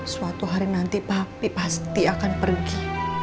suatu hari nanti papi pasti akan pergi